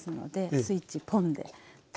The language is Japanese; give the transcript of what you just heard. スイッチポン！